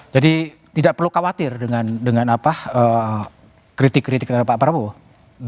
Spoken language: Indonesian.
jadi tidak perlu khawatir dengan kritik kritiknya pak prabowo